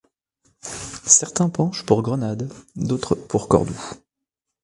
Certains penchent pour Grenade, d’autres pour Cordoue.